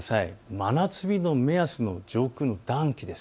真夏日の目安の上空の暖気です。